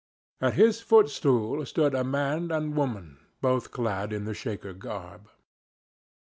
At his footstool stood a man and woman, both clad in the Shaker garb.